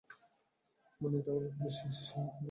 মানে যেটা আমাদের পুরুষের কাছে নেই কিন্তু আপনার কাছে আছে।